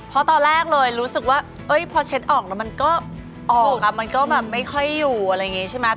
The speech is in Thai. เพราะตอนแรกเลยรู้สึกว่าพอเช็ดออกแล้วมันก็ออกมันก็แบบไม่ค่อยอยู่อะไรอย่างนี้ใช่ไหม